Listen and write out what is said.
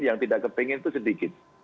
yang tidak kepingin itu sedikit